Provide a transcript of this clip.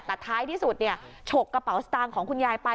อันที่ท้ายที่สุดฉกกระเป๋าชัยของคุณยายไป